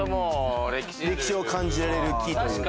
歴史を感じられる木というか。